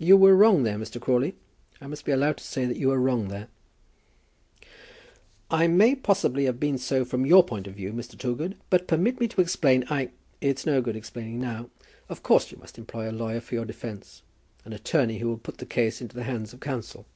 "You were wrong there, Mr. Crawley. I must be allowed to say that you were wrong there." "I may possibly have been so from your point of view, Mr. Toogood; but permit me to explain. I " "It's no good explaining now. Of course you must employ a lawyer for your defence, an attorney who will put the case into the hands of counsel."